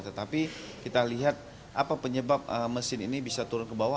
tetapi kita lihat apa penyebab mesin ini bisa turun ke bawah